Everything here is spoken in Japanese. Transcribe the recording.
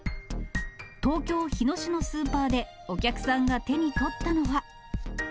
東京・日野市のスーパーで、お客さんが手に取ったのは。